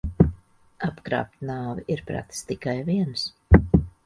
Apkrāpt nāvi ir pratis tikai viens.